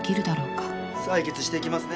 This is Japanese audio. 採血していきますね。